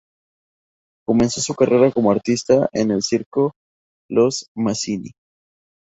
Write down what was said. Comenzó su carrera como artista en el circo "Los Mazzini".